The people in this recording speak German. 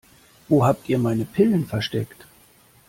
Wo habt ihr meine Pillen versteckt?